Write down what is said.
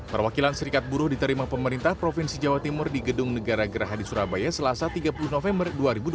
perwakilan serikat buruh diterima pemerintah provinsi jawa timur di gedung negara geraha di surabaya selasa tiga puluh november dua ribu dua puluh